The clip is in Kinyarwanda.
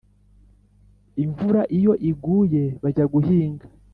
imvura iyo iguye bajya guhinga